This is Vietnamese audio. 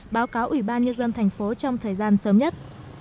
báo cáo ubnd tp hcm trong thời gian sớm nhất